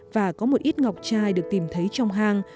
và có một ít ngọc chai được tìm thấy trong hang